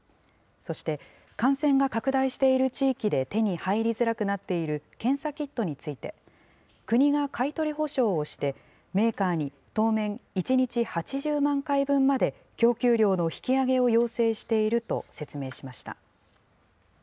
そして、感染が拡大している地域で手に入りづらくなっている検査キットについて、国が買い取り保証をして、メーカーに当面、１日８０万回分まで供給量の引き上げを要請していると説明しました。